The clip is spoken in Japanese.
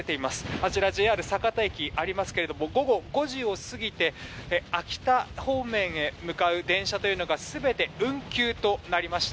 あちらにＪＲ酒田駅がありますけれども午後５時を過ぎて秋田方面へ向かう電車というのが全て運休となりました。